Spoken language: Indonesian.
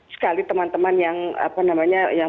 sekali teman teman yang